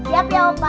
yap ya opa